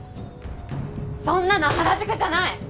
そんなの原宿じゃない！